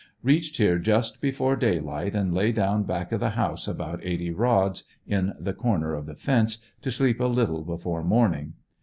Reached here just before daylight and lay down back of the house about eighty rods, in the corner of the fence, to sleep a little before morning.